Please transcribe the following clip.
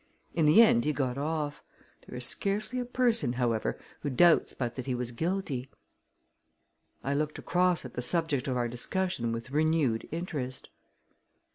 In the end he got off. There is scarcely a person, however, who doubts but that he was guilty." I looked across at the subject of our discussion with renewed interest.